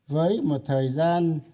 với một thời gian